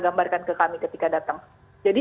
gambarkan ke kami ketika datang jadi